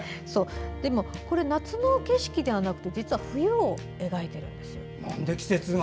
でも、これ夏の景色ではなくて実は冬を描いているんですよ。